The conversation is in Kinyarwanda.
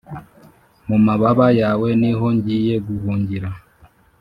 Mumababa yawe ni ho ngiye guhungira .